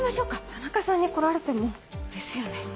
田中さんに来られても。ですよね。